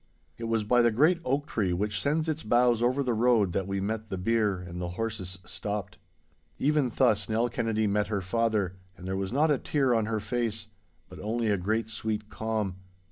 It was by the great oak tree which sends its boughs over the road that we met the bier, and the horses stopped. Even thus Nell Kennedy met her father, and there was not a tear on her face, but only a great sweet calm.